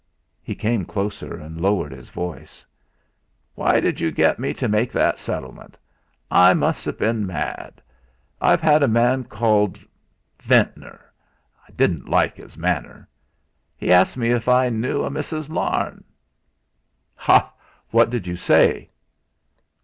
He came closer, and lowered his voice: "Why did you get me to make that settlement? I must have been mad. I've had a man called Ventnor I didn't like his manner. He asked me if I knew a Mrs. Larne." "Ha! What did you say?"